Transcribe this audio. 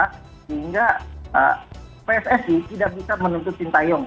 sehingga pssi tidak bisa menentu sinta young